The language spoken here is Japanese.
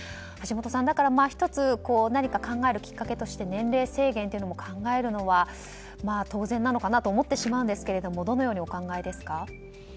橋下さん１つ何か考えるきっかけとして年齢制限というのも考えるのは当然なのかなと思ってしまうんですがどのようにお考えですか？